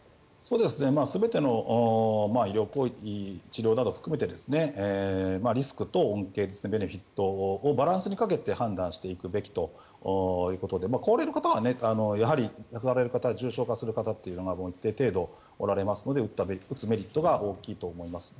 全ての医療行為治療などを含めてリスクと恩恵、ベネフィットをバランスにかけて判断していくべきということで高齢の方はやはり亡くなられる方重症化する方というのが一定程度、おられますので打つメリットが大きいと思います。